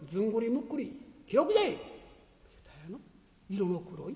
色の黒い？